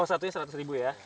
oh satunya seratus ribu ya